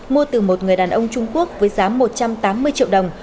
mua từ một người đàn ông trung quốc với giá một trăm tám mươi triệu đồng